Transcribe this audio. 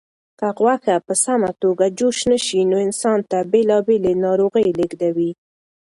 که غوښه په سمه توګه جوش نشي نو انسان ته بېلابېلې ناروغۍ لېږدوي.